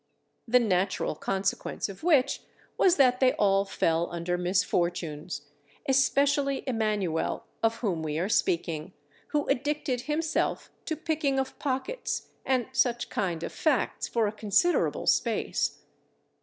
The natural consequence of which was that they all fell under misfortunes, especially Emanuel of whom we are speaking, who addicted himself to picking of pockets, and such kind of facts for a considerable space.